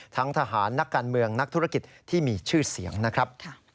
ทั้งทหารนักการเมืองนักธุรกิจที่มีชื่อเสียงนะครับ